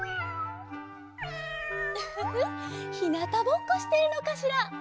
ウフフひなたぼっこしてるのかしら？